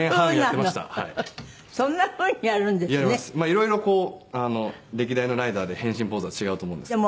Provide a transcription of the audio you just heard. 色々こう歴代のライダーで変身ポーズは違うと思うんですけど。